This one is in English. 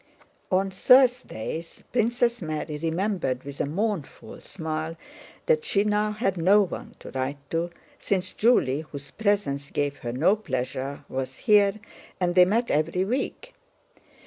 On Thursdays Princess Mary remembered with a mournful smile that she now had no one to write to, since Julie—whose presence gave her no pleasure was here and they met every week.